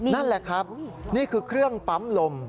นั่นแหละครับนี่คือเครื่องปั๊มลม